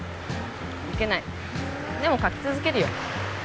受けないでも描き続けるよ